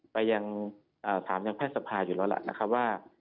ไปถามแผสภาคอยู่แล้ว